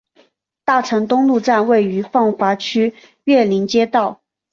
大成东路站位于奉化区岳林街道。